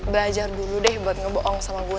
belajar dulu deh buat ngeboong sama gue